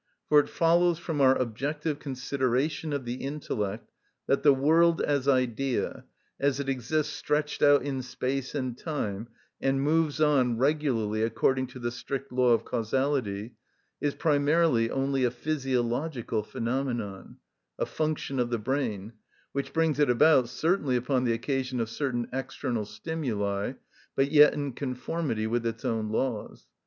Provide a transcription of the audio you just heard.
For it follows from our objective consideration of the intellect, that the world as idea, as it exists stretched out in space and time, and moves on regularly according to the strict law of causality, is primarily only a physiological phenomenon, a function of the brain, which brings it about, certainly upon the occasion of certain external stimuli, but yet in conformity with its own laws.